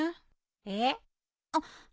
えっ？あっ。